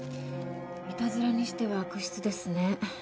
イタズラにしては悪質ですね。